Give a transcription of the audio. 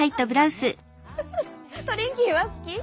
トリンキーは好き？